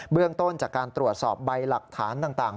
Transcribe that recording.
เรื่องต้นจากการตรวจสอบใบหลักฐานต่าง